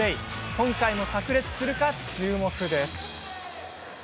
今回も、さく裂するか注目です。